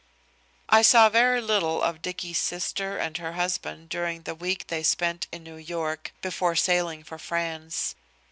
I saw very little of Dicky's sister and her husband during the week they spent in New York before sailing for France.